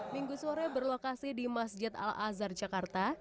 minggu sore berlokasi di masjid al azhar jakarta